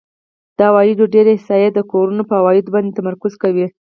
د عوایدو ډېری احصایې د کورونو په عوایدو باندې تمرکز کوي